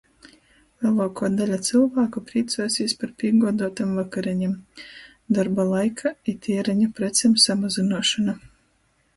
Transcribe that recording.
Leluokuo daļa cylvāku prīcuosīs par pīguoduotom vakareņom. Dorba laika i tiereņu precem samazynuošona.